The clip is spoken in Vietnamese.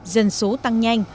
dân số tăng nhanh